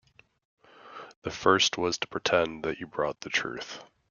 The first was to pretend that you brought truth.